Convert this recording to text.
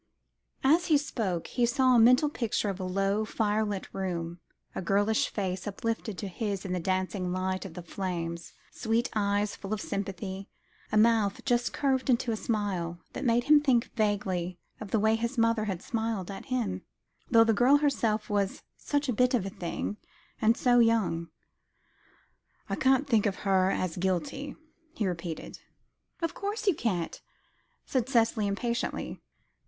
As he spoke, he saw a mental picture of a low, fire lit room, a girlish face uplifted to his in the dancing light of the flames, sweet eyes full of sympathy, a mouth just curved into a smile, that made him think vaguely of the way his mother had smiled at him, though the girl herself was such a bit of a thing, and so young. "I can't think of her as guilty," he repeated. "Of course you can't," Cicely said impatiently.